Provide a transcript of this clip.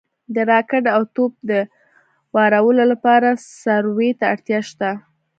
د راکټ او توپ د وارولو لپاره سروې ته اړتیا شته